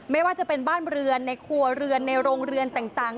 ไม่ว่าจะเป็นบ้านเรือนในครัวเรือนในโรงเรือนต่าง